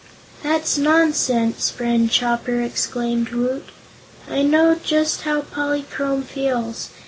"That's nonsense, Friend Chopper," exclaimed Woot. "I know just how Polychrome feels.